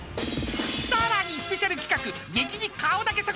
［さらにスペシャル企画］